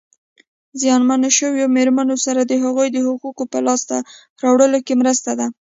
زیانمنو شویو مېرمنو سره د هغوی د حقوقو په لاسته راوړلو کې مرسته ده.